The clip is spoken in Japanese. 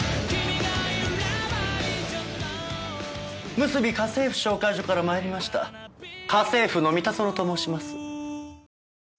むすび家政婦紹介所から参りました家政夫の三田園と申します。